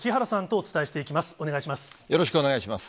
お願いします。